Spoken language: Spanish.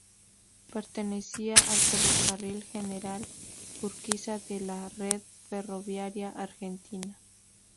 Pertenecía al Ferrocarril General Urquiza de la red ferroviaria argentina.